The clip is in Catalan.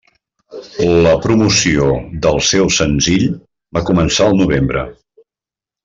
La promoció del seu senzill va començar el novembre.